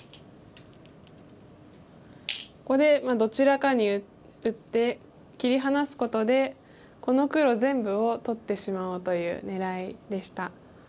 ここでどちらかに打って切り離すことでこの黒全部を取ってしまおうという狙いでした。